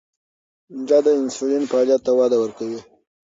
دا د انسولین فعالیت ته وده ورکوي.